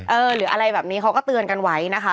หรืออะไรแบบนี้เขาก็เตือนกันไว้นะคะ